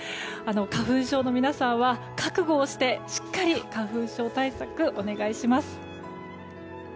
花粉症の皆さんは覚悟をしてしっかり花粉症対策お願いします。